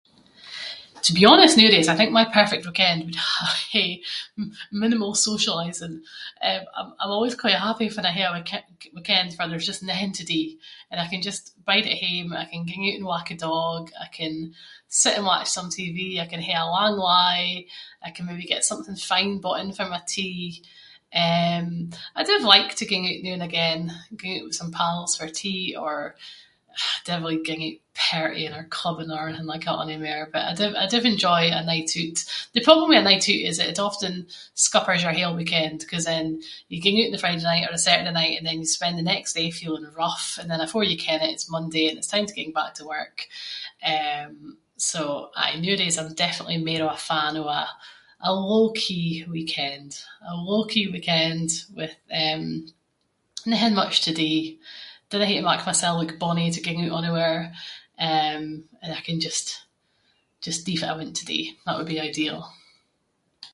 To be honest nooadays, I think my perfect weekend would ha- hae minimal socialising. Eh I-I’m always quite happy fann I hae a weekend farr there’s just nothing to do and I can just bide at hame, I can ging oot and walk a dog, I can sit and watch some TV, I can hae a lang lie, I can maybe get something fine bought in for my tea. Eh, I div like to ging oot noo and again, ging oot with some pals for tea, or- dinna really ging oot partying or clubbing or anything like that onymair, but I div- I div enjoy a night oot. The problem with a night oot is that it often scuppers your whole weekend, ‘cause you ging oot on the Friday night or a Saturday night, and then you spend the next day feeling rough, and then afore you ken it, it’s Monday and it’s time to ging back to work. Eh, so, aye nooadays, I’m definitely mair of a fan of a- a low-key weekend. A low-key weekend with eh nothing much to do, dinna have to mak myself look bonnie to ging oot onywhere, eh and I can just- just do what I want to do. That would be ideal.